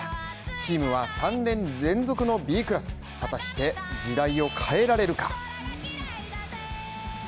チームは３年連続のＢクラス、果たして未来を変えられるか。